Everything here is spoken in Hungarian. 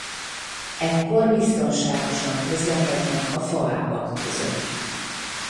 Ekkor biztonságosan közlekednek a faágak között.